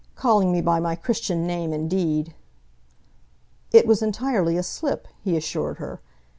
Calling me by my Christian name, indeed!" "It was entirely a slip," he assured her.